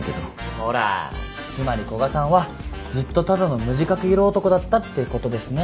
ほらつまり古賀さんはずっとただの無自覚色男だったっていうことですね。